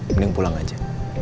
mending pulang aja